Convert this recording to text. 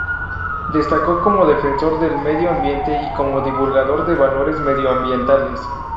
Destacó como defensor del medio ambiente y como divulgador de valores medioambientales.